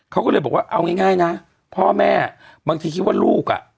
เขาก็เลยบอกว่าเอาง่ายนะพ่อแม่บางทีคิดว่าลูกอ่ะ